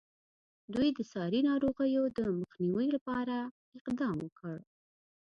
دوی د ساري ناروغیو مخنیوي لپاره اقدام وکړ.